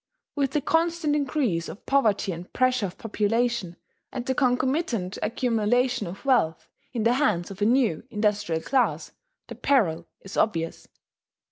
With the constant increase of poverty and pressure of population, and the concomitant accumulation of wealth in the hands of a new industrial class, the peril is obvious.